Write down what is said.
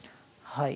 はい。